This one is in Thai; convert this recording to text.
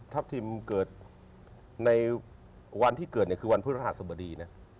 ทัพทิมเกิดในวันที่เกิดคือวันพฤติฮัตรสบดี